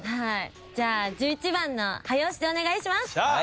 じゃあ１１番の早押しでお願いします。